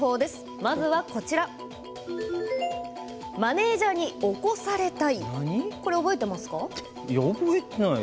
まずは「マネージャーに起こされたい！」